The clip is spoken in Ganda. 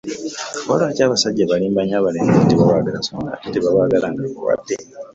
Oba lwaki abasajja balimba nnyo abalenzi nti babagala so ng'ate tebebagalangako wadde?